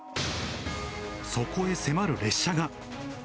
そこへ迫る列車が。